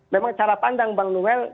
memang cara pandang bang noel